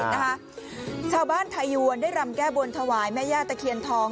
นะคะชาวบ้านไทยยวนได้รำแก้บนถวายแม่ย่าตะเคียนทอง